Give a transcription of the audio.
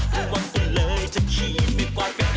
กระวังตัวเลยจะขีดแม่กว่าแกล้งเธอ